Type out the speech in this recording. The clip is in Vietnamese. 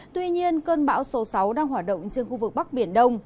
tuy nhiên cơn bão số sáu đang hoạt động trên khu vực bắc biển đông